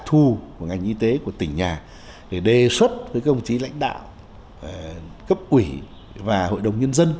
thu của ngành y tế của tỉnh nhà để đề xuất với công chí lãnh đạo cấp quỷ và hội đồng nhân dân